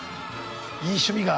いい趣味が。